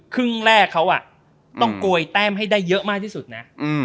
ครึ่งแรกเขาต้องโกยแต้มให้ได้เยอะมากที่สุดนะ